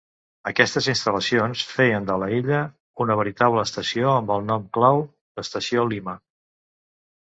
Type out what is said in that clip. Aquestes instal·lacions feien de la illa una veritable estació amb el nom clau d'Estació Lima.